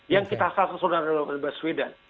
yang kita sasar saudara novel baswi dan